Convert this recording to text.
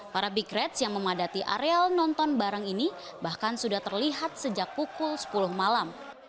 para big reds yang memadati areal nonton bareng ini bahkan sudah terlihat sejak pukul sepuluh malam